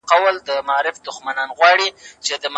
ولي یوازي په مادي بریاوو پسې ګرځېدل ذهن ستړی کوي؟